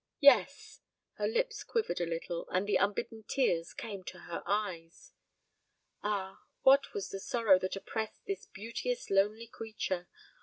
Yes!" Her lips quivered a little, and the unbidden tears came to her eyes. Ah, what was the sorrow that oppressed this beauteous lonely creature?